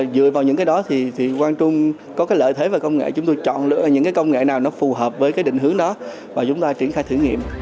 dựa vào những cái đó thì quang trung có cái lợi thế và công nghệ chúng tôi chọn những cái công nghệ nào nó phù hợp với cái định hướng đó và chúng ta triển khai thử nghiệm